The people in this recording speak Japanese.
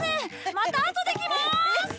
またあとで来まーす！